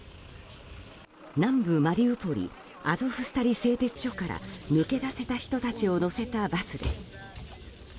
南部マリウポリアゾフスタリ製鉄所から抜け出せた人たちを乗せたバスです。